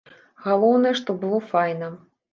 Галоўнае, што было файна!